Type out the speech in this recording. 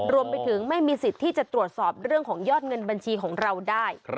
รวมไปถึงไม่มีสิทธิ์ที่จะตรวจสอบเรื่องของยอดเงินบัญชีของเราได้